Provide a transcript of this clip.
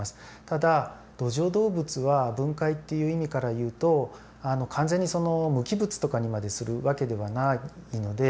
ただ土壌動物は分解っていう意味から言うと完全にその無機物とかにまでする訳ではないのでほとんどが。